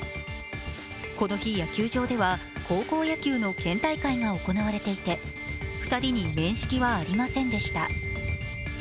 この日、野球場では高校野球の県大会が行われていて２人に面識はありませんでした。